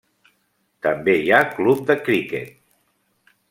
També hi ha club de criquet.